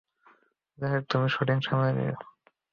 যাইহোক, তুমিই শুটিং সামলে নিও।